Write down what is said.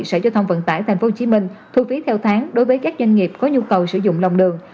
sở giao thông vận tải tp hcm thu phí theo tháng đối với các doanh nghiệp có nhu cầu sử dụng lòng đường